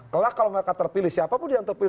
kelak kalau mereka terpilih siapapun yang terpilih